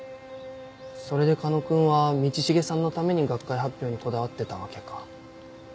それで狩野君は道重さんのために学会発表にこだわってたわけか。